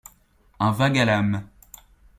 Un vague-à-l'âme.